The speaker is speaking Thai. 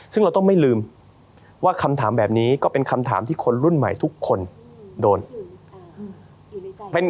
ซึ่งเราต้องไม่ลืมว่าคำถามแบบนี้ก็เป็นคำถามที่คนรุ่นใหม่ทุกคนโดน